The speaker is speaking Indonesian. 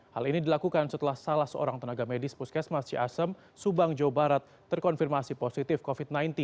hal ini dilakukan setelah salah seorang tenaga medis puskesmas ciasem subang jawa barat terkonfirmasi positif covid sembilan belas